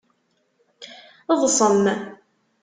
Ḍsem!